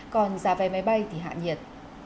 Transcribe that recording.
còn giá vé máy bay thì hạ nhiệt